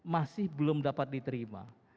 masih belum dapat diterima